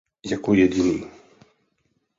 Jako jediný.